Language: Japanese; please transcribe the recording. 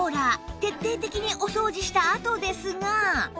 徹底的にお掃除したあとですが